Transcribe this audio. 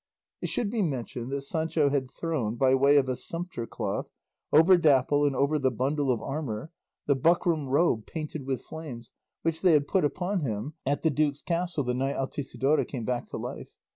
It should be mentioned that Sancho had thrown, by way of a sumpter cloth, over Dapple and over the bundle of armour, the buckram robe painted with flames which they had put upon him at the duke's castle the night Altisidora came back to life.